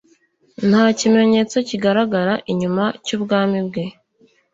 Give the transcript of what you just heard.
nta kimenyetso kigaragara inyuma cy'ubwami bwe.